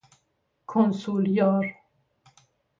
کنسولیار